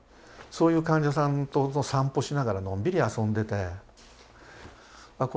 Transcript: そういう患者さんと散歩しながらのんびり遊んでてあっ